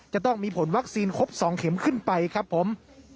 จะต้องมีผลวัคซีนครบ๒เข็มขึ้นไปครับผม